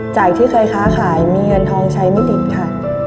จากที่เคยค้าขายมีเงินทองใช้ไม่ติดค่ะ